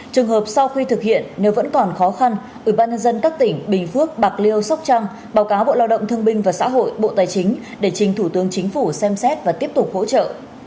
trường hợp sau khi thực hiện nếu vẫn còn khó khăn ủy ban nhân dân các tỉnh bình phước bạc liêu sóc trăng báo cáo bộ lao động thương binh và xã hội bộ tài chính để chính thủ tướng chính phủ xem xét và tiếp tục hỗ trợ